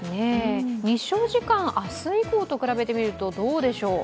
日照時間、明日以降と比べてみるとどうでしょう？